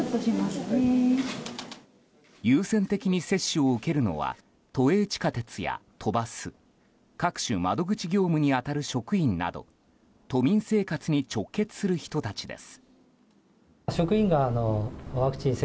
優先的に接種を受けるのは都営地下鉄や都バス各種窓口業務に当たる職員など都民生活に直結する人たちです。